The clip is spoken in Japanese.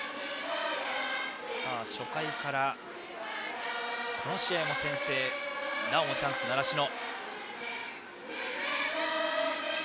初回から、この試合も先制なおもチャンス習志野。